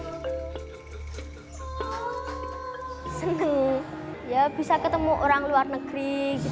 seni bisa ketemu orang luar negeri